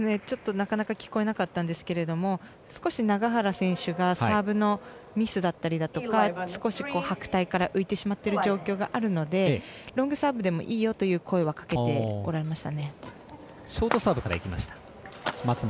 なかなか聞こえなかったんですが少し永原選手がサーブのミスだったりだとか少し、白帯から浮いてしまっている状況があるのでロングサーブでもいいよという声はかけておられました。